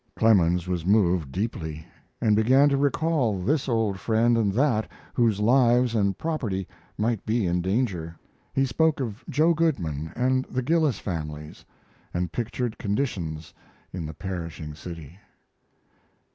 Clemens was moved deeply, and began to recall this old friend and that whose lives and property might be in danger. He spoke of Joe Goodman and the Gillis families, and pictured conditions in the perishing city.